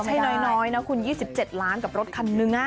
เงินไม่ใช่น้อยนะคุณ๒๗ล้านบาทกับรถคันนึง